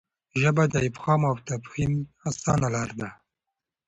ژبه د افهام او تفهیم اسانه لار ده.